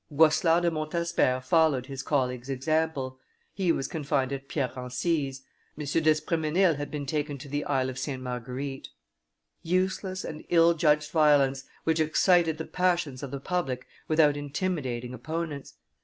Goislard de Montsabert followed his colleague's example: he was confined at Pierre Encise; M. d'Espremesnil had been taken to the Isle of St. Marguerite. Useless and ill judged violence, which excited the passions of the public without intimidating opponents!